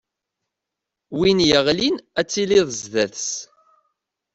Win yeɣlin ad tiliḍ sdat-s.